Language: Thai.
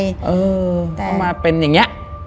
เค้ามาเป็นอย่างเงี้ย